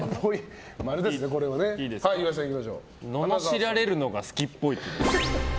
ののしられるのが好きっぽい。